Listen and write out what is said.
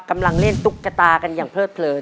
กระตากันอย่างเพลิดเผลิน